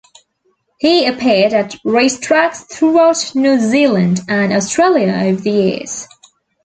He appeared at racetracks throughout New Zealand and Australia over the years.